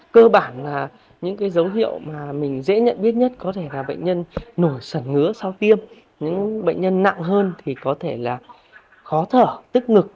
cơ bản là những dấu hiệu mà mình dễ nhận biết nhất có thể là bệnh nhân nổi sẩn ngứa sau tiêm những bệnh nhân nặng hơn thì có thể là khó thở tức ngực